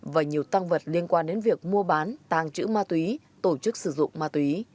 và nhiều tăng vật liên quan đến việc mua bán tàng trữ ma túy tổ chức sử dụng ma túy